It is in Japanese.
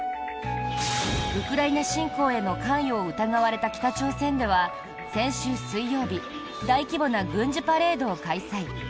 ウクライナ侵攻への関与を疑われた北朝鮮では先週水曜日大規模な軍事パレードを開催。